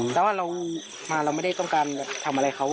แต่ว่าเรามาเราไม่ได้ต้องการทำอะไรเขา